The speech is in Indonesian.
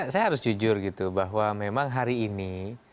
saya harus jujur gitu bahwa memang hari ini